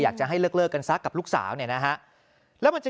อยากจะให้เลิกกันซะกับลูกสาวเนี่ยนะฮะแล้วมันจะ